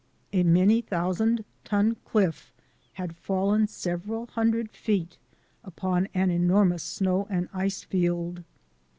A many thousand ton cliff had fallen several hun dred feet upon an enormous snow and ice field.